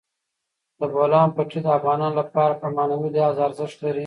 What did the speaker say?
د بولان پټي د افغانانو لپاره په معنوي لحاظ ارزښت لري.